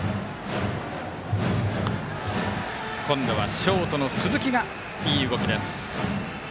今度はショートの鈴木がいい動きです。